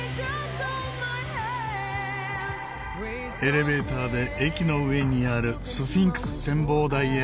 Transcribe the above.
エレベーターで駅の上にあるスフィンクス展望台へ上がります。